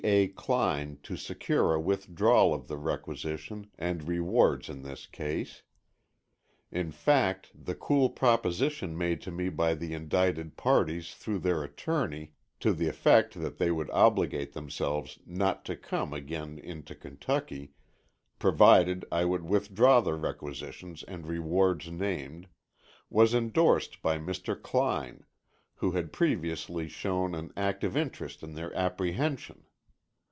A. Kline to secure a withdrawal of the requisition and rewards in this case; in fact, the cool proposition made to me by the indicted parties through their attorney, to the effect that they would obligate themselves not to come again into Kentucky, provided I would withdraw the requisitions and rewards named, was endorsed by Mr. Kline, who had previously shown an active interest in their apprehension.